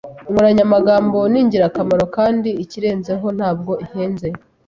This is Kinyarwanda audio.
Inkoranyamagambo ni ingirakamaro kandi, ikirenzeho, ntabwo ihenze.